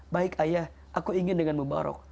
baik ayah aku ingin dengan mubarok